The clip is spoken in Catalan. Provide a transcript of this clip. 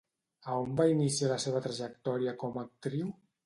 A on va iniciar la seva trajectòria com a actriu?